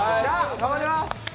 頑張ります！